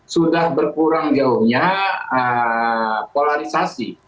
sudah berkurang jauhnya polarisasi